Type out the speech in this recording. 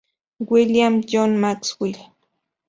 William J. Maxwell.